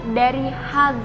ada yang di sini